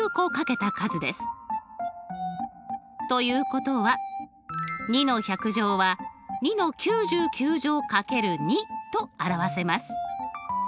ということは２の１００乗は２の９９乗掛ける２と表せます。